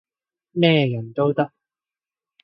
咩人都得